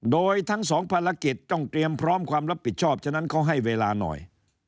โดยทั้งสองภารกิจต้องเตรียมพร้อมความรับผิดชอบฉะนั้นเขาให้เวลาหน่อย